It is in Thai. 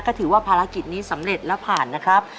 ก็ถือว่าภารกิจนี้สำเร็จและผ่านนะครับ